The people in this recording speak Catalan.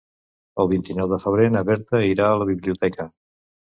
El vint-i-nou de febrer na Berta irà a la biblioteca.